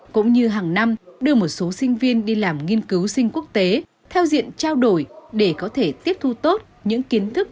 cũng như hàng năm đưa một số sinh viên đi làm nghiên cứu sinh quốc tế theo diện trao đổi để có thể tiếp thu tốt những kiến thức